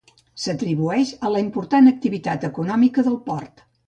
S'atribueix a la important activitat econòmica del port.